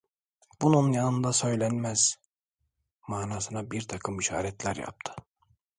"Bunun yanında söylenmez!" manasına birtakım işaretler yaptı.